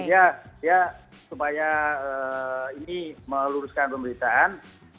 jadi dia supaya ini meluruskan pemerintahan